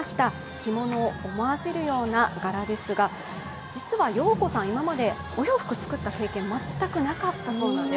着物を思わせるような柄ですが、実は陽子さん、今までお洋服を作った経験、全くなかったそうなんです。